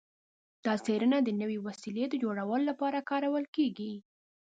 دا څیړنه د نوې وسیلې د جوړولو لپاره کارول کیږي.